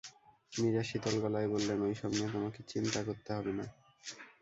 মীরা শীতল গলায় বললেন, ঐ-সব নিয়ে তোমাকে চিন্তা করতে হবে না।